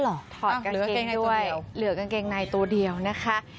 ให้น้องที่เหลือกางเกงในตัวเดียวนะคะ